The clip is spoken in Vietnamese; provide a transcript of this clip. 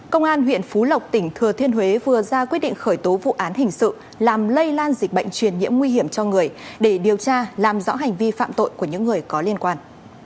công an huyện phú lộc tỉnh thừa thiên huế vừa ra quyết định khởi tố vụ án hình sự làm lây lan dịch bệnh truyền nhiễm nguy hiểm cho người để điều tra làm rõ hành vi phạm tội của những người có liên quan